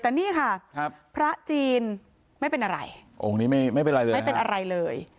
แต่นี่ค่ะครับพระจีนไม่เป็นอะไรองค์นี้ไม่ไม่เป็นไรเลยไม่เป็นอะไรเลย